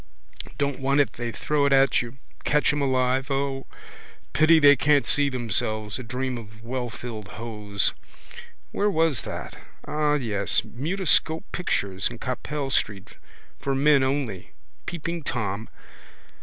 Don't want it they throw it at you. Catch em alive, O. Pity they can't see themselves. A dream of wellfilled hose. Where was that? Ah, yes. Mutoscope pictures in Capel street: for men only. Peeping Tom.